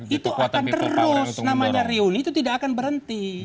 itu akan terus namanya reuni itu tidak akan berhenti